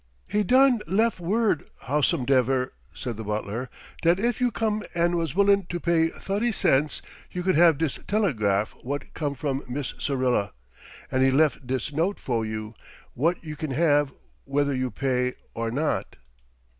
"He done lef word, howsomedever," said the butler, "dat ef you come an' was willin' to pay thutty cents you could have dis telegraf whut come from Mis' Syrilla. An' he lef dis note fo' you, whut you can have whever you pay or not."